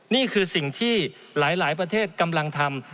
นี่คือสิ่งที่หลายประเทศกำลังทำ